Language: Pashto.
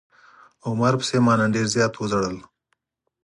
عمر پسې ما نن ډير زيات وژړل.